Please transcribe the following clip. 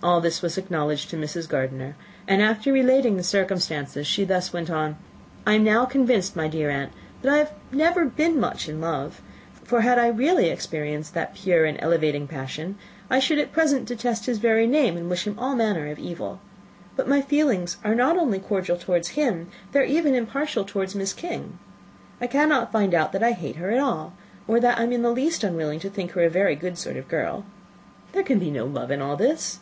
All this was acknowledged to Mrs. Gardiner; and, after relating the circumstances, she thus went on: "I am now convinced, my dear aunt, that I have never been much in love; for had I really experienced that pure and elevating passion, I should at present detest his very name, and wish him all manner of evil. But my feelings are not only cordial towards him, they are even impartial towards Miss King. I cannot find out that I hate her at all, or that I am in the least unwilling to think her a very good sort of girl. There can be no love in all this.